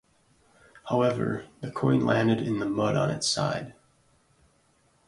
However, the coin landed in the mud on its side.